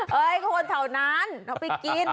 เฮ้ยคนเท่านั้นไปกิน